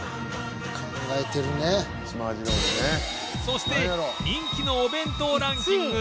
そして人気のお弁当ランキング